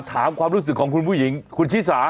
ถามความรู้สึกของคุณผู้หญิงคุณชิสา